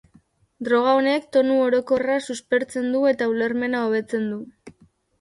Droga honek tonu orokorra suspertzen du eta ulermena hobetzen du.